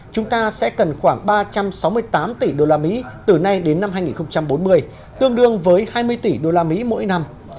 chúng ta sẽ cần khoảng ba trăm sáu mươi tám tỷ usd từ nay đến năm hai nghìn bốn mươi tương đương với hai mươi tỷ usd mỗi năm